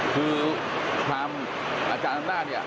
คือความอาจารย์ด้านหน้า